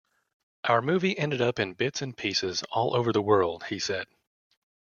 "Our movie ended up in bits and pieces all over the world," he said.